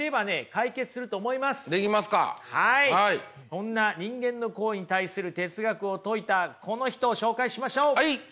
そんな人間の行為に対する哲学を説いたこの人を紹介しましょう。